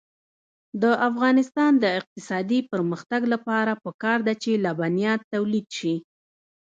د افغانستان د اقتصادي پرمختګ لپاره پکار ده چې لبنیات تولید شي.